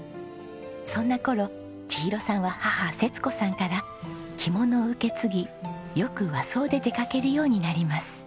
そんな頃千尋さんは母節子さんから着物を受け継ぎよく和装で出掛けるようになります。